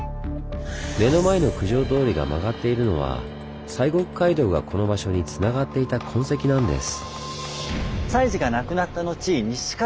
目の前の九条通が曲がっているのは西国街道がこの場所につながっていた痕跡なんです。